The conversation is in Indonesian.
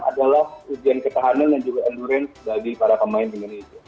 adalah ujian ketahanan dan juga endurance bagi para pemain